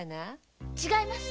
違います。